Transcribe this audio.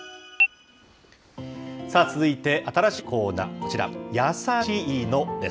続いて、新しいコーナー、こちら、やさしイノです。